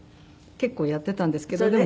結構やっていたんですけどでも。